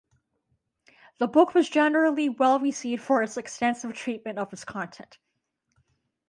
The book was generally well received for its extensive treatment of its content.